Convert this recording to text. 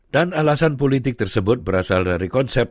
dan alasan politik tersebut berasal dari konsep